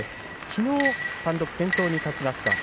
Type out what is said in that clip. きのう単独先頭に立ちました。